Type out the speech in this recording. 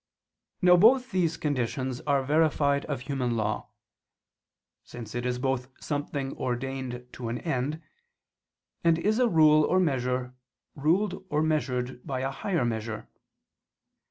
Now both these conditions are verified of human law: since it is both something ordained to an end; and is a rule or measure ruled or measured by a higher measure.